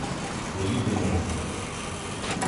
— Поїдемо вдвох.